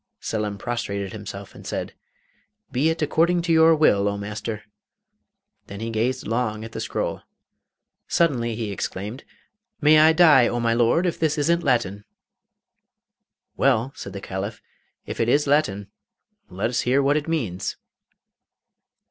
Selim prostrated himself and said, 'Be it according to your will, oh master!' Then he gazed long at the scroll. Suddenly he exclaimed: 'May I die, oh, my Lord, if this isn't Latin!' 'Well,' said the Caliph, 'if it is Latin, let us hear what it means.